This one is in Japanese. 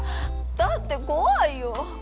だって怖いよ